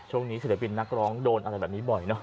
ศิลปินนักร้องโดนอะไรแบบนี้บ่อยเนอะ